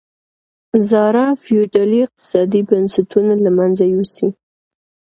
زاړه فیوډالي اقتصادي بنسټونه له منځه یوسي.